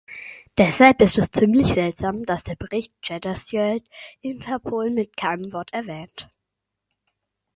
Deshalb ist es ziemlich seltsam, dass der Bericht Cederschiöld Interpol mit keinem Wort erwähnt.